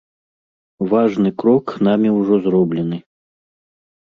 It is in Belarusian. Важны крок намі ўжо зроблены.